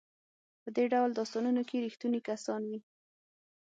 په دې ډول داستانونو کې ریښتوني کسان وي.